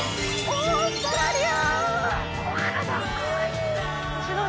オーストラリア！